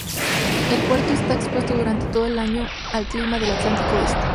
El puerto está expuesto durante todo el año al clima del Atlántico este.